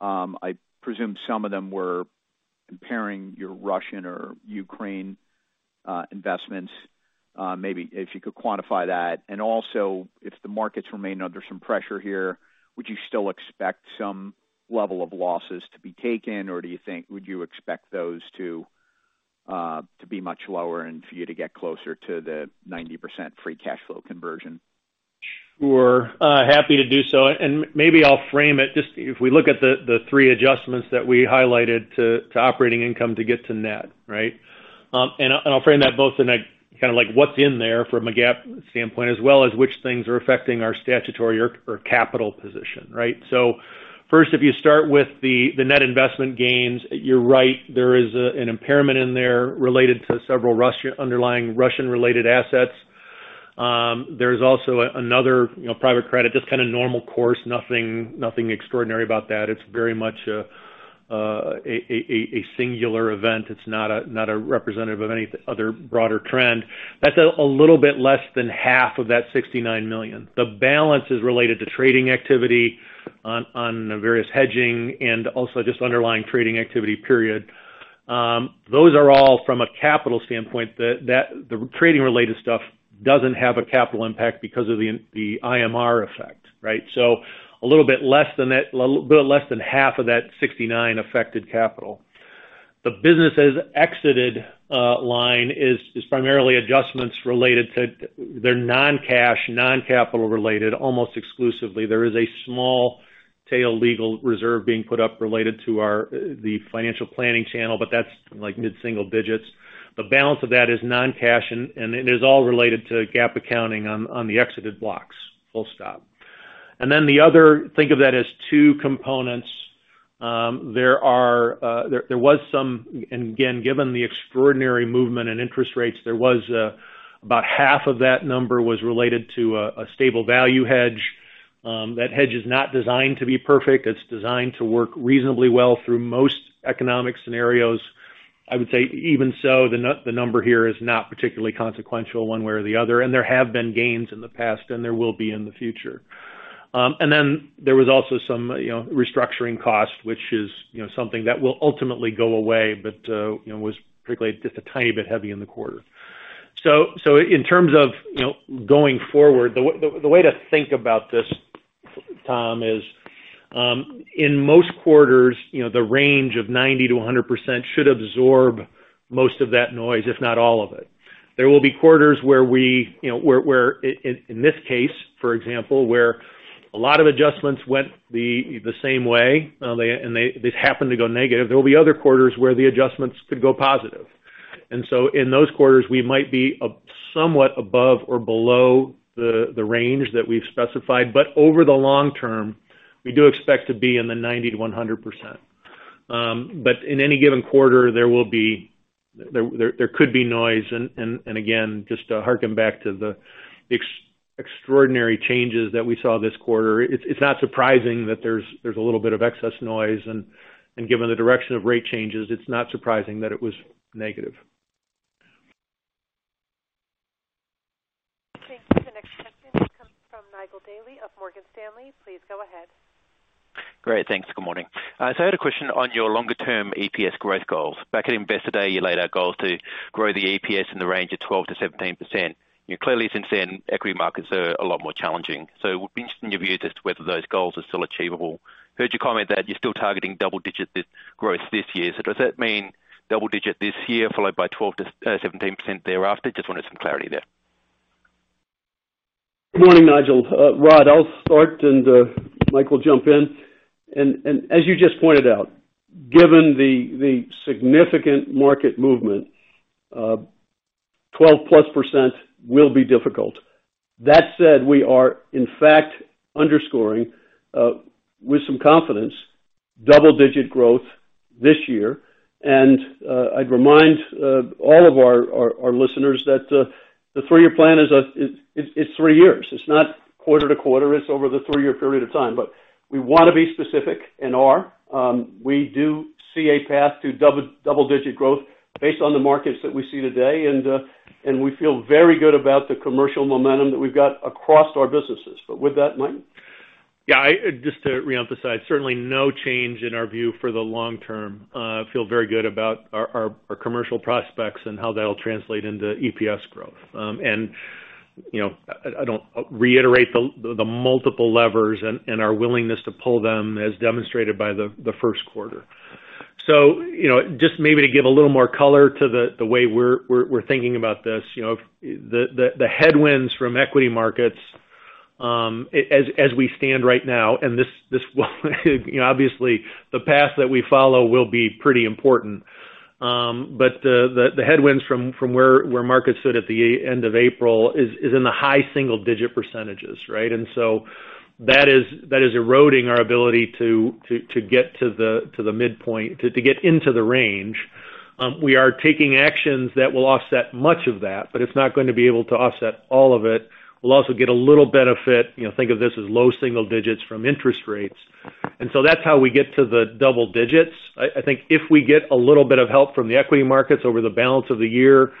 I presume some of them were impairing your Russian or Ukrainian investments, maybe if you could quantify that. Also, if the markets remain under some pressure here, would you still expect some level of losses to be taken, or would you expect those to be much lower and for you to get closer to the 90% free cash flow conversion? Sure. Happy to do so. Maybe I'll frame it. Just if we look at the three adjustments that we highlighted to operating income to get to net, right? I'll frame that both in a kinda like what's in there from a GAAP standpoint, as well as which things are affecting our statutory or capital position, right? First, if you start with the net investment gains, you're right. There is an impairment in there related to several underlying Russian-related assets. There's also another, you know, private credit, just kinda normal course, nothing extraordinary about that. It's very much a singular event. It's not a representative of any other broader trend. That's a little bit less than half of that $69 million. The balance is related to trading activity on various hedging and also just underlying trading activity. Period. Those are all from a capital standpoint. The trading-related stuff doesn't have a capital impact because of the IMR effect, right? So a little bit less than half of that $69 affected capital. The businesses exited line is primarily adjustments related to. They're non-cash, non-capital related, almost exclusively. There is a small tail legal reserve being put up related to the financial planning channel, but that's like mid-single digits. The balance of that is non-cash, and it is all related to GAAP accounting on the exited blocks. Full stop. Then the other, think of that as two components. There was some. Given the extraordinary movement in interest rates, there was about half of that number related to a stable value hedge. That hedge is not designed to be perfect. It's designed to work reasonably well through most economic scenarios. I would say even so, the number here is not particularly consequential one way or the other, and there have been gains in the past, and there will be in the future. There was also some, you know, restructuring costs, which is, you know, something that will ultimately go away but, you know, was particularly just a tiny bit heavy in the quarter. In terms of, you know, going forward, the way to think about this, Tom, is, in most quarters, you know, the range of 90%-100% should absorb most of that noise, if not all of it. There will be quarters where we, you know, where in this case, for example, where a lot of adjustments went the same way, and they happened to go negative. There will be other quarters where the adjustments could go positive. In those quarters, we might be up somewhat above or below the range that we've specified. Over the long term, we do expect to be in the 90%-100%. In any given quarter, there could be noise and again, just to harken back to the extraordinary changes that we saw this quarter, it's not surprising that there's a little bit of excess noise, and given the direction of rate changes, it's not surprising that it was negative. Thank you. The next question comes from Nigel Dally of Morgan Stanley. Please go ahead. Great. Thanks. Good morning. I had a question on your longer-term EPS growth goals. Back at Investor Day, you laid out goals to grow the EPS in the range of 12%-17%. Clearly since then, equity markets are a lot more challenging. I'd be interested in your view as to whether those goals are still achievable. Heard you comment that you're still targeting double-digit growth this year. Does that mean double-digit this year, followed by 12%-17% thereafter? Just wanted some clarity there. Good morning, Nigel. Rod, I'll start, and Mike will jump in. As you just pointed out, given the significant market movement, 12%+ will be difficult. That said, we are, in fact, underscoring with some confidence, double digit growth this year. I'd remind all of our listeners that the three-year plan is. It's three years. It's not quarter to quarter. It's over the three-year period of time. We want to be specific and are. We do see a path to double digit growth based on the markets that we see today. We feel very good about the commercial momentum that we've got across our businesses. With that, Mike. Yeah. Just to reemphasize, certainly no change in our view for the long term. Feel very good about our commercial prospects and how that'll translate into EPS growth. You know, I do reiterate the multiple levers and our willingness to pull them as demonstrated by the first quarter. You know, just maybe to give a little more color to the way we're thinking about this. You know, the headwinds from equity markets, as we stand right now, and this will, you know, obviously the path that we follow will be pretty important. The headwinds from where markets stood at the end of April is in the high single-digit percentages, right? That is eroding our ability to get to the midpoint, to get into the range. We are taking actions that will offset much of that, but it's not going to be able to offset all of it. We'll also get a little benefit, you know, think of this as low single digits from interest rates. That's how we get to the double digits. I think if we get a little bit of help from the equity markets over the balance of the year,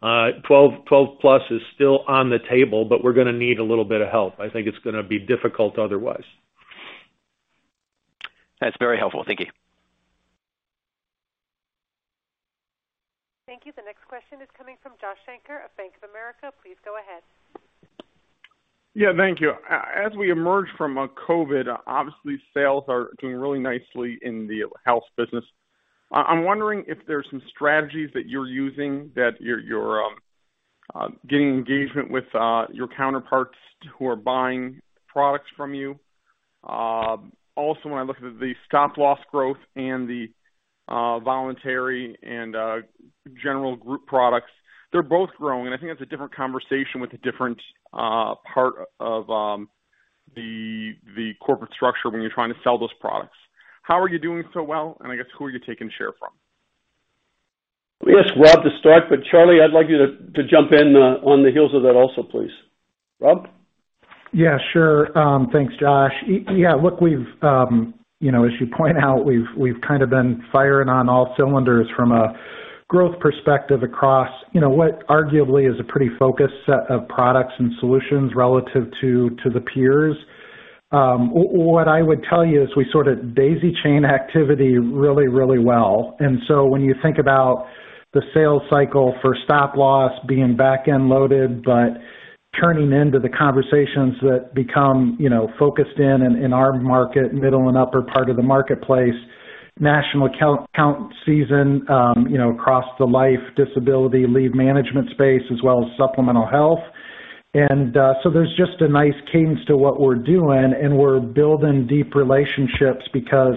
12 plus is still on the table, but we're gonna need a little bit of help. I think it's gonna be difficult otherwise. That's very helpful. Thank you. Thank you. The next question is coming from Josh Shanker of Bank of America. Please go ahead. Yeah, thank you. As we emerge from COVID, obviously sales are doing really nicely in the health business. I'm wondering if there's some strategies that you're using that you're getting engagement with your counterparts who are buying products from you. Also, when I look at the Stop Loss growth and the voluntary and general group products, they're both growing, and I think that's a different conversation with a different part of the corporate structure when you're trying to sell those products. How are you doing so well? I guess who are you taking share from? Let me ask Rob to start, but Charlie, I'd like you to jump in on the heels of that also, please. Rob? Yeah, sure. Thanks, Josh. Yeah, look, we've, you know, as you point out, we've kind of been firing on all cylinders from a growth perspective across, you know, what arguably is a pretty focused set of products and solutions relative to the peers. What I would tell you is we sort of daisy chain activity really well. When you think about the sales cycle for Stop Loss being back-end loaded, but turning into the conversations that become, you know, focused in our market, middle and upper part of the marketplace, national account contracting season, you know, across the life disability leave management space as well as supplemental health. There's just a nice cadence to what we're doing, and we're building deep relationships because,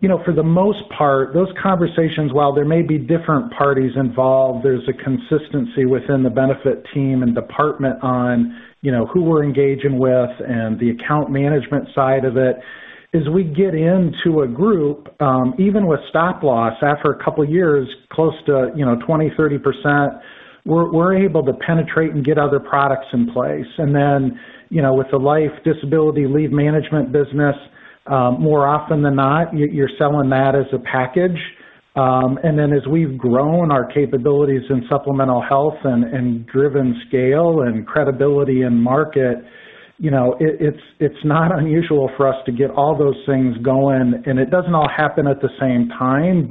you know, for the most part, those conversations, while there may be different parties involved, there's a consistency within the benefits team and department on, you know, who we're engaging with and the account management side of it. As we get into a group, even with Stop Loss, after a couple of years, close to, you know, 20%-30%, we're able to penetrate and get other products in place. With the life disability leave management business, more often than not, you're selling that as a package. As we've grown our capabilities in supplemental health and driven scale and credibility in market, you know, it's not unusual for us to get all those things going, and it doesn't all happen at the same time.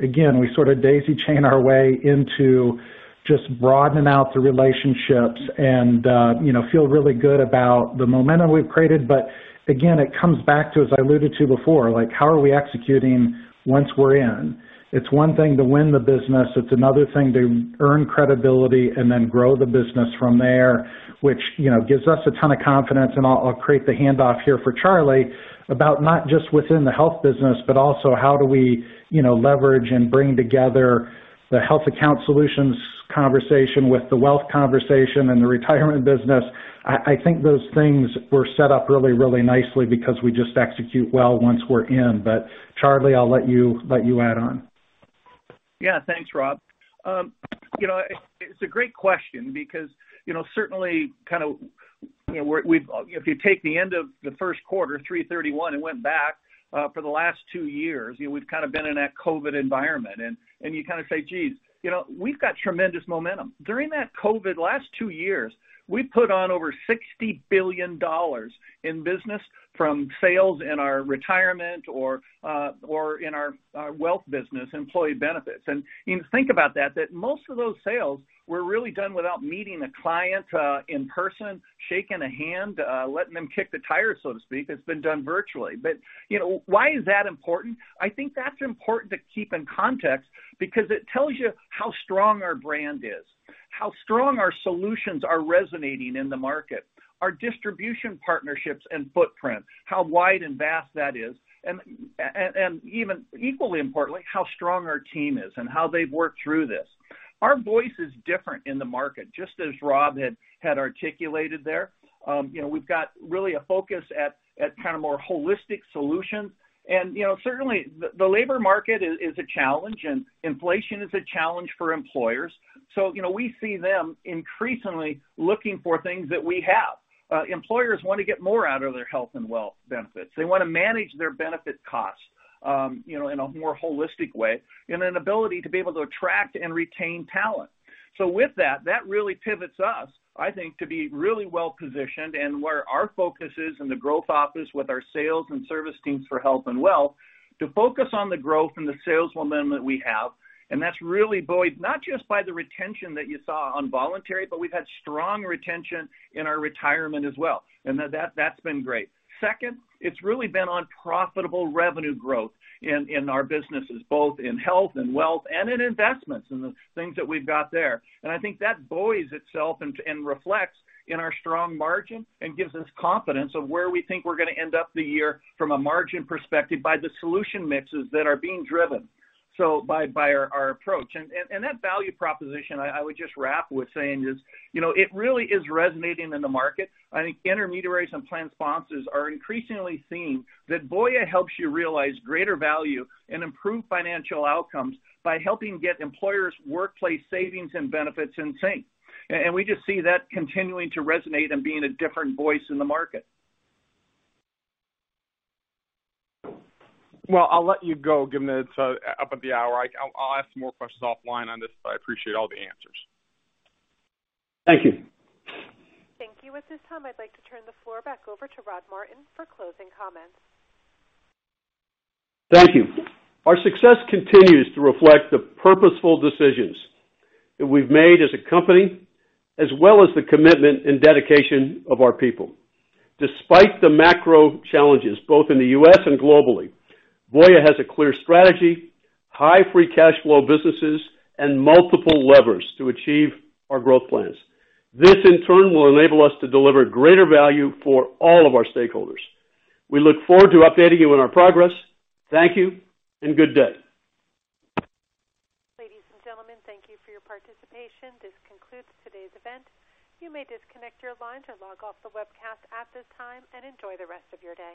Again, we sort of daisy chain our way into just broadening out the relationships and, you know, feel really good about the momentum we've created. Again, it comes back to, as I alluded to before, like, how are we executing once we're in? It's one thing to win the business, it's another thing to earn credibility and then grow the business from there, which, you know, gives us a ton of confidence. I'll create the handoff here for Charlie about not just within the health business, but also how do we, you know, leverage and bring together the health account solutions conversation with the wealth conversation and the retirement business. I think those things were set up really nicely because we just execute well once we're in. Charlie, I'll let you add on. Yeah. Thanks, Rob. You know, it's a great question because you know, certainly kind of, you know, we've. If you take the end of the first quarter, 3/31, and went back for the last two years, you know, we've kind of been in that COVID environment. You kind of say, geez, you know, we've got tremendous momentum. During that COVID last two years, we put on over $60 billion in business from sales in our retirement or in our wealth business employee benefits. You know, think about that, most of those sales were really done without meeting a client in person, shaking a hand, letting them kick the tire, so to speak. It's been done virtually. You know, why is that important? I think that's important to keep in context because it tells you how strong our brand is, how strong our solutions are resonating in the market, our distribution partnerships and footprint, how wide and vast that is, and even equally importantly, how strong our team is and how they've worked through this. Our voice is different in the market, just as Rob had articulated there. You know, we've got really a focus at kind of more holistic solutions. You know, certainly the labor market is a challenge and inflation is a challenge for employers. You know, we see them increasingly looking for things that we have. Employers want to get more out of their health and wealth benefits. They want to manage their benefit costs, you know, in a more holistic way, and an ability to be able to attract and retain talent. With that really pivots us, I think, to be really well-positioned and where our focus is in the growth office with our sales and service teams for health and wealth to focus on the growth and the sales momentum that we have. That's really buoyed not just by the retention that you saw on voluntary, but we've had strong retention in our retirement as well. That's been great. Second, it's really been on profitable revenue growth in our businesses, both in health and wealth and in investments and the things that we've got there. I think that buoys itself and reflects in our strong margin and gives us confidence of where we think we're going to end up the year from a margin perspective by the solution mixes that are being driven, so by our approach. That value proposition I would just wrap with saying is, you know, it really is resonating in the market. I think intermediaries and plan sponsors are increasingly seeing that Voya helps you realize greater value and improve financial outcomes by helping get employers workplace savings and benefits in sync. We just see that continuing to resonate and being a different voice in the market. Well, I'll let you go given that it's up at the hour. I'll ask more questions offline on this, but I appreciate all the answers. Thank you. Thank you. At this time, I'd like to turn the floor back over to Rod Martin for closing comments. Thank you. Our success continues to reflect the purposeful decisions that we've made as a company, as well as the commitment and dedication of our people. Despite the macro challenges both in the U.S. and globally, Voya has a clear strategy, high free cash flow businesses, and multiple levers to achieve our growth plans. This, in turn, will enable us to deliver greater value for all of our stakeholders. We look forward to updating you on our progress. Thank you and good day. Ladies and gentlemen, thank you for your participation. This concludes today's event. You may disconnect your line or log off the webcast at this time and enjoy the rest of your day.